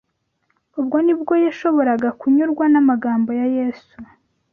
Ubwo ni bwo yashoboraga kunyurwa n’amagambo ya Yesu